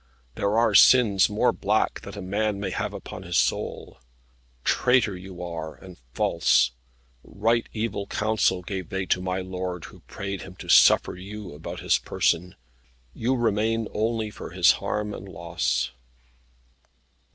There are sins more black that a man may have upon his soul. Traitor you are, and false. Right evil counsel gave they to my lord, who prayed him to suffer you about his person. You remain only for his harm and loss."